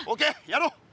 やろう！